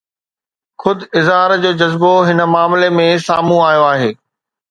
خود اظهار جو جذبو هن معاملي ۾ سامهون آيو آهي